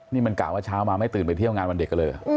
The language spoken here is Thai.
นี่มันกล่าวว่าเช้ามาไม่ตื่นไปเที่ยวงานวันเด็กเลย